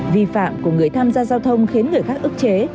vi phạm của người tham gia giao thông khiến người khác ức chế